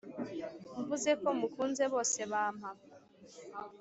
mvuze ko “mukunze” bose bampa